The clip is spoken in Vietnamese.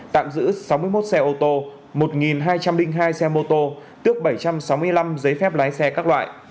tạm giữ sáu mươi một xe ô tô một hai trăm linh hai xe mô tô tước bảy trăm sáu mươi năm giấy phép lái xe các loại